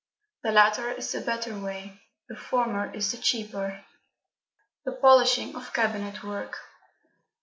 The latter is the better way; the former is the cheaper. The polishing of cabinet work.